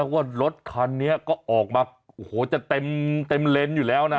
ว่ารถคันนี้ก็ออกมาโอ้โหจะเต็มเลนส์อยู่แล้วนะ